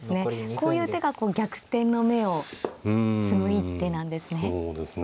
こういう手が逆転の芽を摘む一手なんですね。